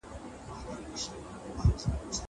هغه څوک چي اوبه پاکوي روغ وي.